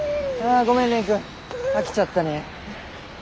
ごめん蓮くん飽きちゃったね。